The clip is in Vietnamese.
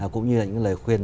cũng như là những lời khuyên